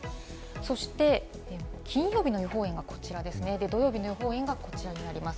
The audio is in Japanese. そして、金曜日の予報円はこちらですね、土曜日の予報円はこちらになります。